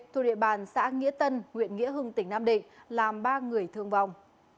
thuộc địa bàn xã nghĩa tân huyện nghĩa hưng tỉnh nam định làm ba người thương vong